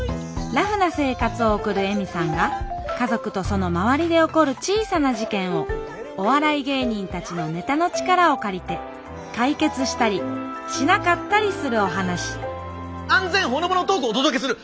ラフな生活を送る恵美さんが家族とその周りで起こる小さな事件をお笑い芸人たちのネタの力を借りて解決したりしなかったりするお話安全ほのぼのトークをお届けする。